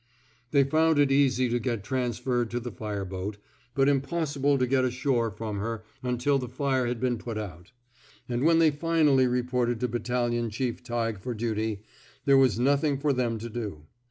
They found it easy to get transferred to the fire boat, but impossible to get ashore from her until the fire had been put out; and when they finally reported to Battalion Chief Tighe for duty, there was nothing for them to do.